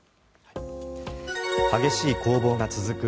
激しい攻防が続く